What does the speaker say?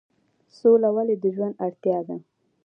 سوله ولې د ژوند اړتیا ده؟